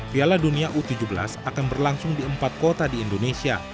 piala dunia u tujuh belas akan berlangsung di empat kota di indonesia